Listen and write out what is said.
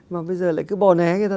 mà bây giờ lại cứ bò né người ta